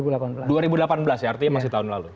dua ribu delapan belas ya artinya masih tahun lalu